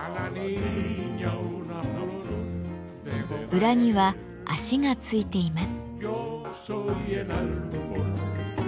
裏には脚が付いています。